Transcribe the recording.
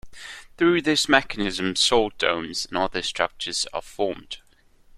Through this mechanism, salt domes and other structures are formed.